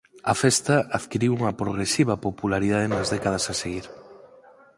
A festa adquiriu unha progresiva popularidade nas décadas a seguir.